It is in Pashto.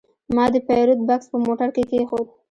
ما د پیرود بکس په موټر کې کېښود.